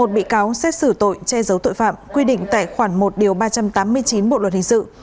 một bị cáo xét xử tội che giấu tội phạm quy định tại khoản một điều ba trăm tám mươi chín bộ luật hình sự